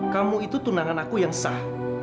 kamu itu tunangan aku yang sah